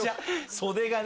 袖がね。